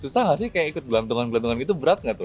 susah gak sih kayak ikut belantungan belantungan itu berat gak troy